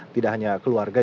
tidak hanya keluarga